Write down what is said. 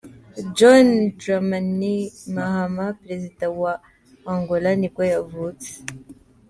John Dramani Mahama, perezida wa wa Angola nibwo yavutse.